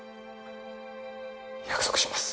約束します